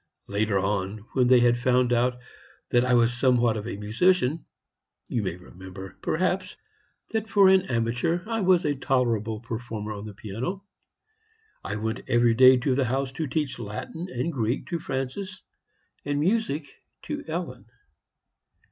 Later on, when they had found out that I was somewhat of a musician you may remember, perhaps, that for an amateur I was a tolerable performer on the piano I went every day to the house to teach Latin and Greek to Francis, and music to Ellen.